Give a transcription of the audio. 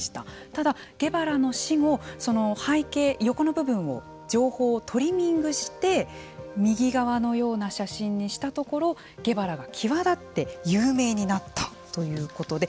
ただ、ゲバラの死後その背景横の部分を情報をトリミングして右側のような写真にしたところゲバラが際立って有名になったということで。